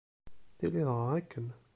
Tili dɣa akken!